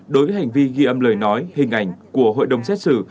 đối với hành vi ghi âm lời nói hình ảnh của hội đồng xét xử